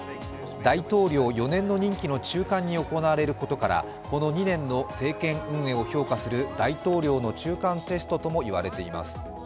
大統領４年の任期の中間に行われることからこの２年の政権運営を評価する大統領の中間テストとも言われています。